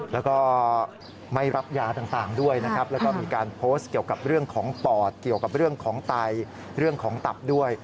แล้วก็ไม่รับยาต่างด้วยนะครับ